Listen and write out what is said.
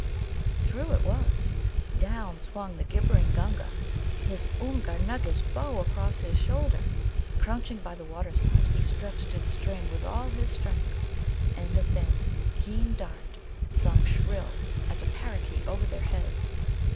True it was. Down swung the gibbering Gunga, his Oomgar nugga's bow across his shoulder. Crouching by the water side, he stretched its string with all his strength. And a thin, keen dart sung shrill as a parakeet over their heads.